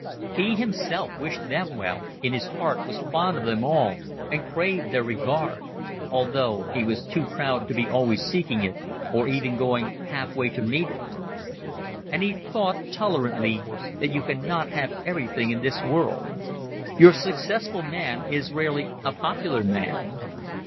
He himself wished them well, in his heart was fond of them all, and craved their regard; although he was too proud to be always seeking it, or even going half way to meet it. And he thought, tolerantly, that you can not have everything in this world. Your successful man is rarely a popular man.